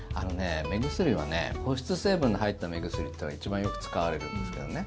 目薬はね保湿成分の入った目薬が一番よく使われるんですけどね